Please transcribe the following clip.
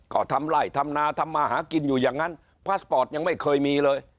ก็ทำไล่ทำนาทำมาหากินอยู่อย่างนั้นพาสปอร์ตยังไม่เคยมีเลย